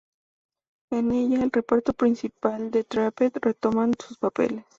En ella, el reparto principal de Trapped retoman sus papeles.